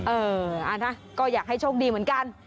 เออนะก็อยากให้โชคดีเหมือนกัน